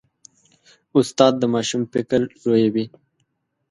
استاد د ماشوم فکر لویوي.